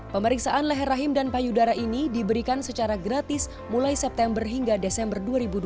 pemeriksaan leher rahim dan payudara ini diberikan secara gratis mulai september hingga desember dua ribu dua puluh